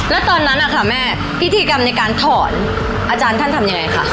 แล้วตอนนั้นนะคะแม่พิธีกรรมในการถอนอาจารย์ท่านทำยังไงคะ